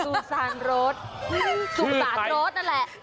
สุสานรถสุสานรถนั่นแหละ